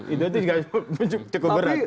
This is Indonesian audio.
itu juga cukup berat